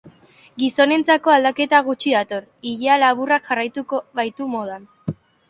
Gizonentzako aldaketa gutxi dator, ilea laburrak jarraituko baitu modan.